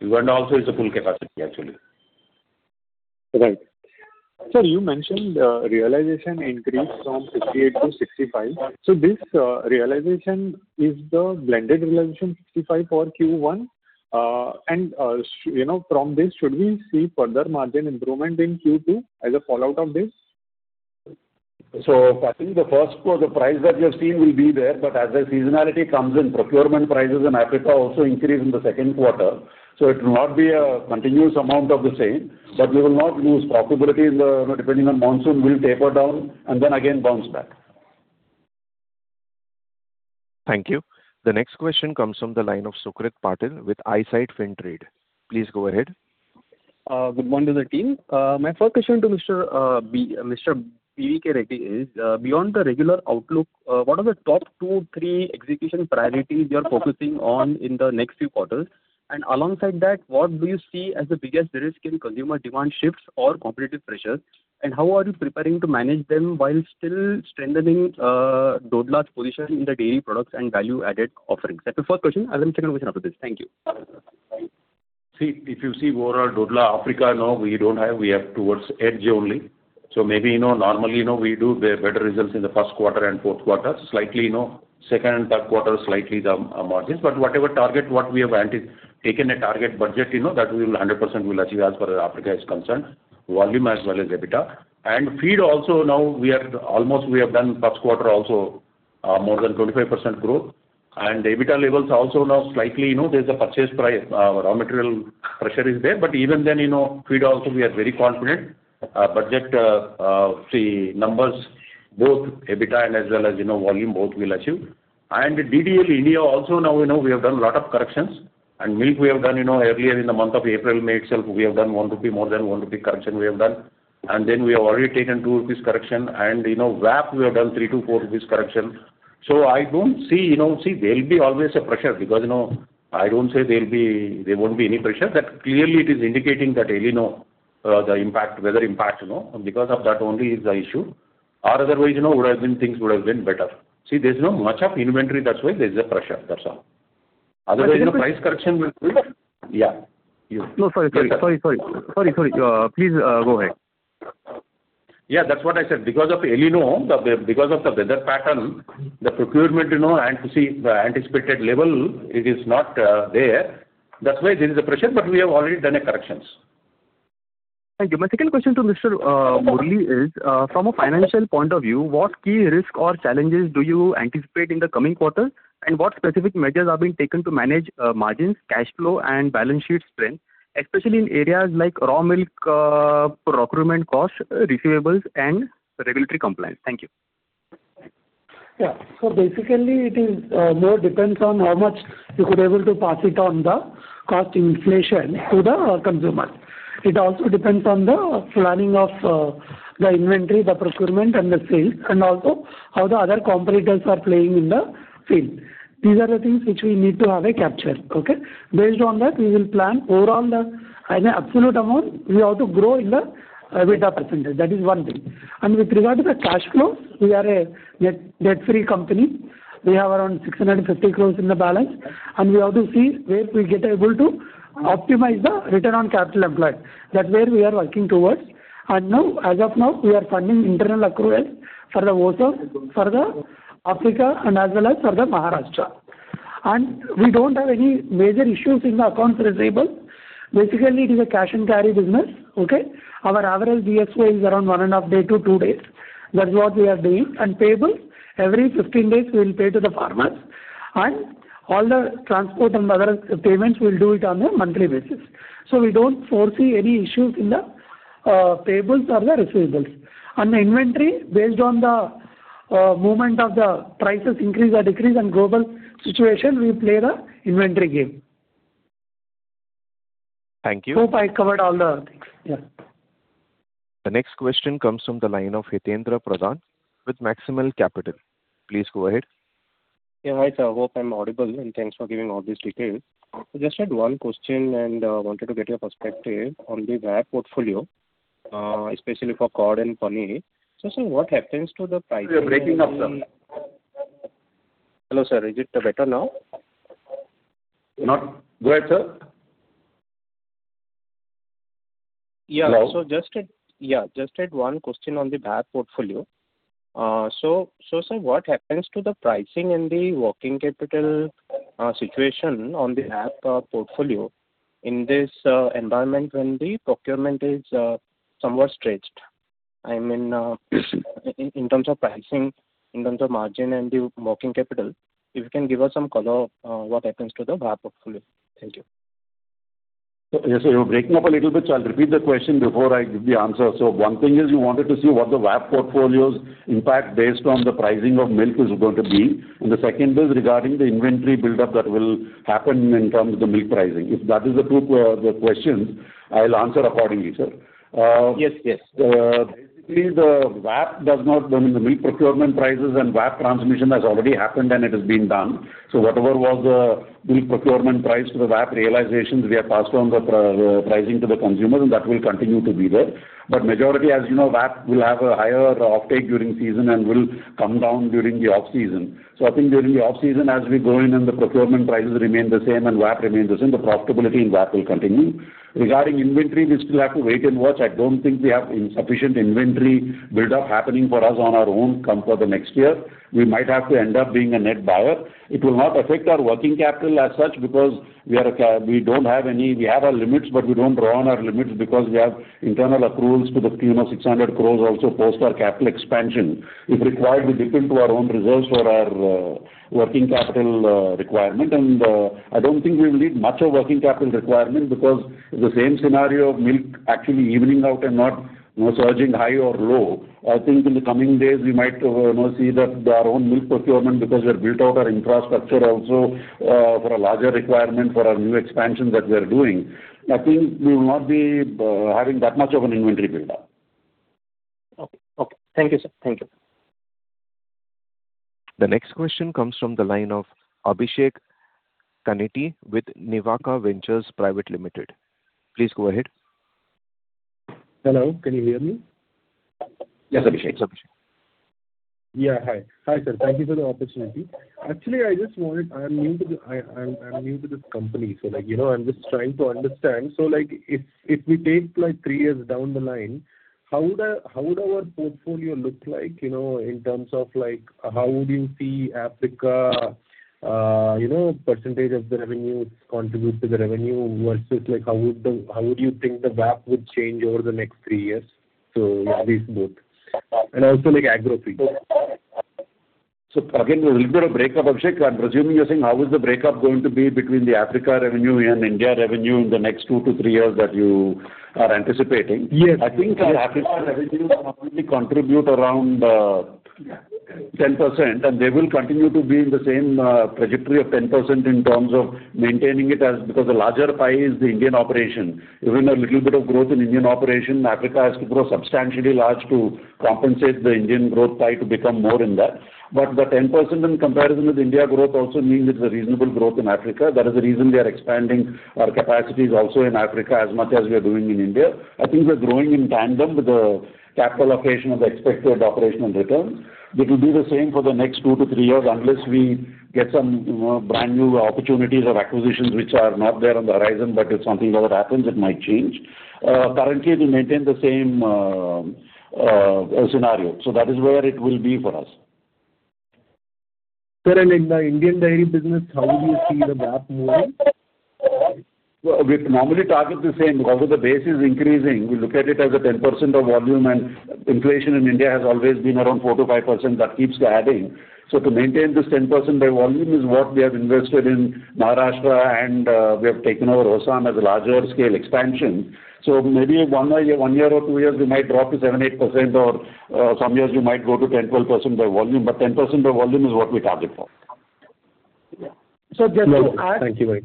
Uganda also is a full capacity actually. Right. Sir, you mentioned realization increased from 58-65. This realization is the blended realization 65 for Q1. From this, should we see further margin improvement in Q2 as a fallout of this? I think the first price that you have seen will be there, as the seasonality comes in, procurement prices in Africa also increase in the second quarter. It will not be a continuous amount of the same, we will not lose profitability. Depending on monsoon, we'll taper down and then again bounce back. Thank you. The next question comes from the line of Sucrit Patil with Eyesight Fintrade. Please go ahead. Good morning to the team. My first question to Mr. B.V.K. Reddy is, beyond the regular outlook, what are the top two, three execution priorities you are focusing on in the next few quarters? Alongside that, what do you see as the biggest risk in consumer demand shifts or competitive pressures, and how are you preparing to manage them while still strengthening Dodla's position in the dairy products and value-added offerings? That's the first question. I'll have a second question after this. Thank you. If you see overall Dodla Africa now, we don't have, we have towards edge only. Maybe normally, we do the better results in the first quarter and fourth quarter. Second and third quarter, slightly down margins. Whatever target, what we have taken a target budget, that we will 100% will achieve as far as Africa is concerned, volume as well as EBITDA. Feed also now we have done first quarter also, more than 25% growth. EBITDA levels also now slightly, there's a purchase price, raw material pressure is there, even then, feed also we are very confident. Budget numbers, both EBITDA and as well as volume, both we'll achieve. DDL India also now we have done lot of corrections, and milk we have done earlier in the month of April, May itself, we have done 1 rupee, more than 1 rupee correction we have done. Then we have already taken 2 rupees correction. VAP, we have done 3-4 rupees correction. There'll be always a pressure because I don't say there won't be any pressure. That clearly it is indicating that El Niño, the weather impact, because of that only is the issue. Otherwise, things would have been better. See, there's no much of inventory, that's why there's a pressure. That's all. Price correction will be there? Yeah. No, sorry. Please, go ahead. Yeah, that's what I said. Because of El Niño, because of the weather pattern, the procurement, and to see the anticipated level, it is not there. That's why there is a pressure, but we have already done a corrections. Thank you. My second question to Mr. Murali is, from a financial point of view, what key risk or challenges do you anticipate in the coming quarter, and what specific measures are being taken to manage margins, cash flow, and balance sheet strength? Especially in areas like raw milk, procurement cost, receivables, and regulatory compliance? Thank you. Basically, it more depends on how much you could able to pass it on the cost inflation to the consumer. It also depends on the planning of the inventory, the procurement and the sales, how the other competitors are playing in the field. These are the things which we need to have a capture. Okay. Based on that, we will plan overall the absolute amount we have to grow in the EBITDA percentage. That is one thing. With regard to the cash flow, we are a debt-free company. We have around 650 crore in the balance, we have to see where we get able to optimize the return on capital employed. That's where we are working towards. As of now, we are funding internal accruals for the OSAM, for the Africa, and as well as for the Maharashtra. We don't have any major issues in the accounts receivable. Basically, it is a cash and carry business. Okay. Our average DSO is around one and a half day to two days. That is what we are doing. Payable, every 15 days, we'll pay to the farmers, all the transport and other payments, we'll do it on a monthly basis. We don't foresee any issues in the payables or the receivables. The inventory, based on the movement of the prices increase or decrease and global situation, we play the inventory game. Thank you. Hope I covered all the things. The next question comes from the line of Hitaindra Pradhan with Maximal Capital. Please go ahead. Yeah. Hi, sir. Hope I'm audible, and thanks for giving all this detail. Just had one question and wanted to get your perspective on the VAP portfolio, especially for curd and paneer. Sir, what happens to the pricing- You are breaking up, sir. Hello, sir. Is it better now? Not. Go ahead, sir. Yeah. Just had one question on the VAP portfolio. Sir, what happens to the pricing and the working capital situation on the VAP portfolio in this environment when the procurement is somewhat stretched? In terms of pricing, in terms of margin, and the working capital, if you can give us some color, what happens to the VAP portfolio? Thank you. You're breaking up a little bit, so I'll repeat the question before I give the answer. One thing is you wanted to see what the VAP portfolio's impact based on the pricing of milk is going to be, and the second is regarding the inventory buildup that will happen in terms of the milk pricing. If that is the two questions, I'll answer accordingly, sir. Yes. Basically, the milk procurement prices and VAP transmission has already happened, and it has been done. Whatever was the milk procurement price to the VAP realizations, we have passed on the pricing to the consumer, and that will continue to be there. Majority, as you know, VAP will have a higher uptake during season and will come down during the off-season. I think during the off-season, as we go in and the procurement prices remain the same and VAP remains the same, the profitability in VAP will continue. Regarding inventory, we still have to wait and watch. I don't think we have insufficient inventory buildup happening for us on our own come for the next year. We might have to end up being a net buyer. It will not affect our working capital as such because we have our limits, but we don't draw on our limits because we have internal accruals to the tune of 600 crore also post our capital expansion. If required, we dip into our own reserves for our working capital requirement, and I don't think we will need much of working capital requirement because the same scenario of milk actually evening out and not surging high or low. I think in the coming days, we might see that our own milk procurement, because we have built out our infrastructure also for a larger requirement for our new expansion that we are doing. I think we will not be having that much of an inventory buildup. Okay. Thank you, sir. The next question comes from the line of [Abhishek Kaneti] with Nivaka Ventures Private Limited. Please go ahead. Hello, can you hear me? Yes, Abhishek. Yeah. Hi, sir. Thank you for the opportunity. Actually, I'm new to this company, so I'm just trying to understand. If we take three years down the line, how would our portfolio look like, in terms of how would you see Africa percentage of the revenue contribute to the revenue versus how would you think the VAP would change over the next three years? These both. Also Orgafeed. Again, a little bit of breakup, Abhishek. I'm presuming you're saying how is the breakup going to be between the Africa revenue and India revenue in the next two to three years that you are anticipating? Yes. I think our Africa revenue will probably contribute around 10%, they will continue to be in the same trajectory of 10% in terms of maintaining it as because the larger pie is the Indian operation. Even a little bit of growth in Indian operation, Africa has to grow substantially large to compensate the Indian growth pie to become more in that. The 10% in comparison with India growth also means it's a reasonable growth in Africa. That is the reason we are expanding our capacities also in Africa as much as we are doing in India. I think we are growing in tandem with the capital allocation of the expected operational returns. It will be the same for the next two to three years unless we get some brand-new opportunities or acquisitions which are not there on the horizon, if something ever happens, it might change. Currently, we maintain the same scenario. That is where it will be for us. Sir, in the Indian dairy business, how do you see the VAP moving? We normally target the same because of the base is increasing. We look at it as a 10% of volume, and inflation in India has always been around 4%-5%. That keeps adding. To maintain this 10% by volume is what we have invested in Maharashtra, and we have taken over OSAM as a larger scale expansion. Maybe one year or two years, we might drop to 7%-8%, or some years we might go to 10%-12% by volume. 10% by volume is what we target for. Yeah. Thank you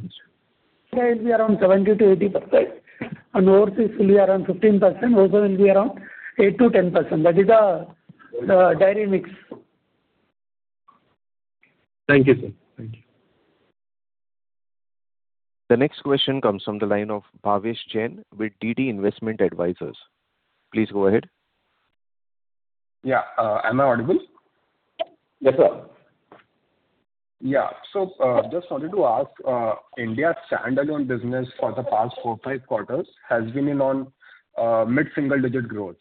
very much. Will be around 70%-80%, and overseas is usually around 15%, also will be around 8%-10%. That is the dairy mix. Thank you, sir. Thank you. The next question comes from the line of Bhavesh Jain with DV Investment Advisors. Please go ahead. Yeah. Am I audible? Yes, sir. Yeah. Just wanted to ask, India standalone business for the past four, five quarters has been on mid-single digit growth.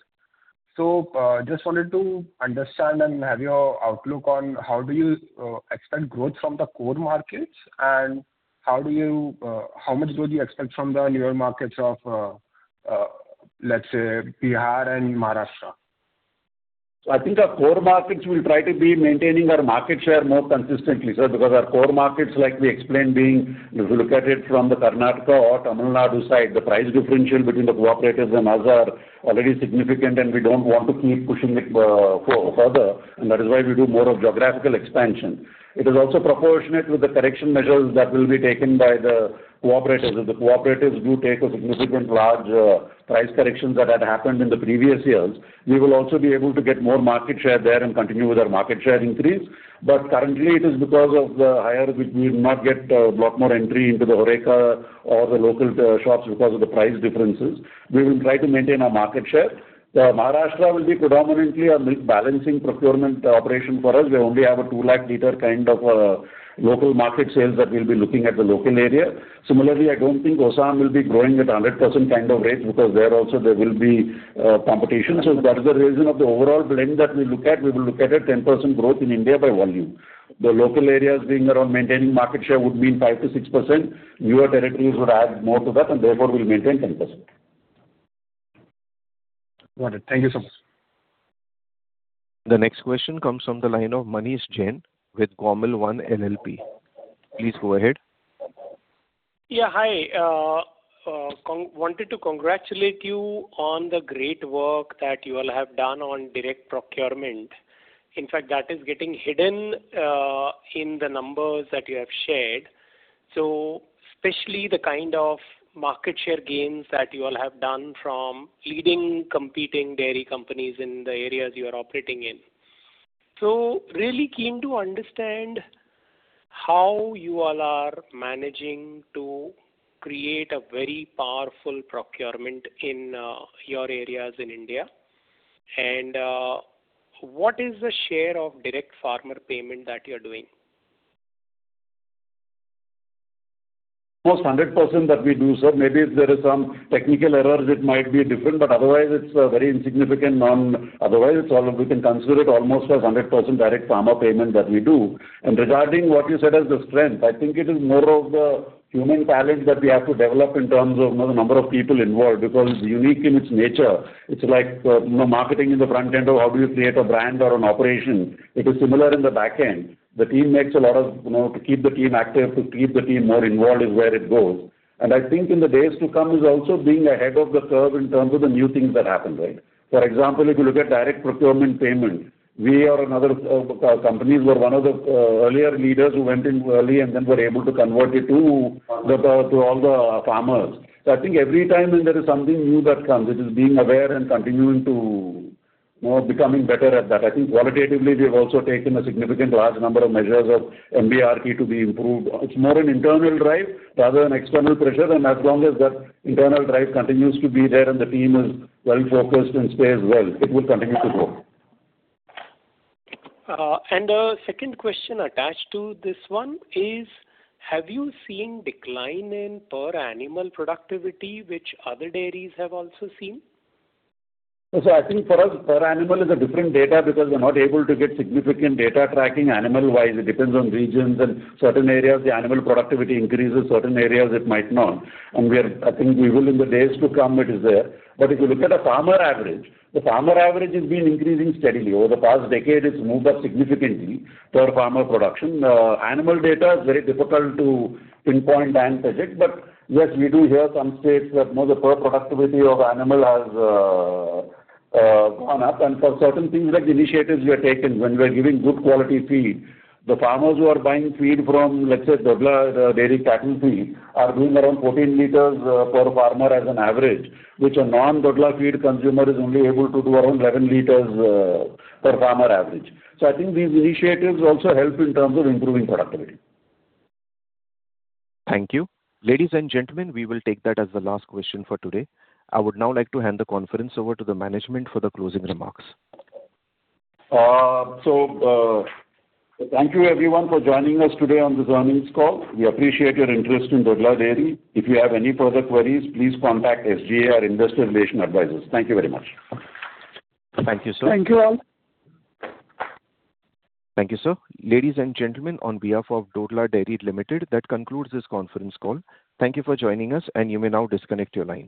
Just wanted to understand and have your outlook on how do you expect growth from the core markets, and how much do you expect from the newer markets of, let's say, Bihar and Maharashtra? I think our core markets will try to be maintaining our market share more consistently, sir, because our core markets like we explained, being, if you look at it from the Karnataka or Tamil Nadu side, the price differential between the cooperatives and us are already significant, and we don't want to keep pushing it further. That is why we do more of geographical expansion. It is also proportionate with the correction measures that will be taken by the cooperatives. If the cooperatives do take a significant large price corrections that had happened in the previous years, we will also be able to get more market share there and continue with our market share increase. Currently, it is because of the higher, we will not get a lot more entry into the HoReCa or the local shops because of the price differences. We will try to maintain our market share. The Maharashtra will be predominantly a milk balancing procurement operation for us. We only have a 2 LLP kind of local market sales that we'll be looking at the local area. Similarly, I don't think OSAM will be growing at 100% kind of rate, because there also, there will be competition. That is the reason of the overall blend that we look at. We will look at a 10% growth in India by volume. The local areas being around maintaining market share would mean 5%-6%, newer territories would add more to that, and therefore we'll maintain 10%. Got it. Thank you so much. The next question comes from the line of Manish Jain with GormalOne LLP. Please go ahead. Yeah. Hi. Wanted to congratulate you on the great work that you all have done on direct procurement. In fact, that is getting hidden in the numbers that you have shared. Especially the kind of market share gains that you all have done from leading competing dairy companies in the areas you are operating in. Really keen to understand how you all are managing to create a very powerful procurement in your areas in India. What is the share of direct farmer payment that you're doing? Almost 100% that we do, sir. Maybe if there is some technical errors, it might be different, but otherwise, it's very insignificant. Otherwise, we can consider it almost as 100% direct farmer payment that we do. Regarding what you said as the strength, I think it is more of the human talent that we have to develop in terms of the number of people involved, because it's unique in its nature. It's like marketing in the front end of how do you create a brand or an operation. It is similar in the back end. To keep the team active, to keep the team more involved is where it goes. And I think in the days to come is also being ahead of the curve in terms of the new things that happen, right? For example, if you look at direct procurement payment, we or another companies were one of the earlier leaders who went in early and then were able to convert it to all the farmers. I think every time when there is something new that comes, it is being aware and continuing to becoming better at that. I think qualitatively, we've also taken a significant large number of measures of MBRT to be improved. It's more an internal drive rather than external pressure. As long as that internal drive continues to be there and the team is well-focused and stays well, it will continue to grow. The second question attached to this one is, have you seen decline in per animal productivity, which other dairies have also seen? I think for us, per animal is a different data because we're not able to get significant data tracking animal-wise. It depends on regions and certain areas, the animal productivity increases, certain areas it might not. I think we will in the days to come, it is there. If you look at a farmer average, the farmer average has been increasing steadily. Over the past decade, it's moved up significantly to our farmer production. Animal data is very difficult to pinpoint and project, yes, we do hear some states that the per productivity of animal has gone up. For certain things like the initiatives we are taking, when we are giving good quality feed, the farmers who are buying feed from, let's say, Dodla Dairy cattle feed, are doing around 14 liters per farmer as an average, which a non-Dodla feed consumer is only able to do around 11 liters per farmer average. I think these initiatives also help in terms of improving productivity. Thank you. Ladies and gentlemen, we will take that as the last question for today. I would now like to hand the conference over to the management for the closing remarks. Thank you everyone for joining us today on this earnings call. We appreciate your interest in Dodla Dairy. If you have any further queries, please contact SGA, our investor relation advisors. Thank you very much. Thank you, sir. Thank you all. Thank you, sir. Ladies and gentlemen, on behalf of Dodla Dairy Limited, that concludes this conference call. Thank you for joining us. You may now disconnect your lines.